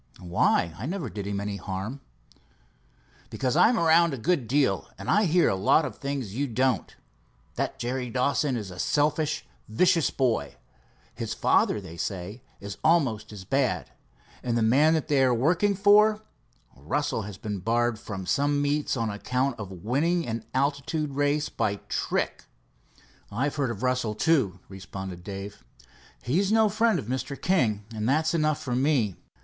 "Why? I never did him any harm." "Because I'm around a good deal, and I hear a lot of things you don't. That Jerry Dawson is a selfish, vicious boy. His father, they say, is almost as bad, and the man they are working for, Russell, has been barred from some meets on account of winning an altitude race by a trick." "I've heard of Russell, too," responded Dave. "He's no friend of Mr. King, and that's enough for me.